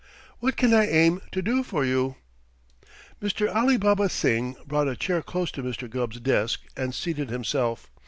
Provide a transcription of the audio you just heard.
"What can I aim to do for you?" Mr. Alibaba Singh brought a chair close to Mr. Gubb's desk and seated himself.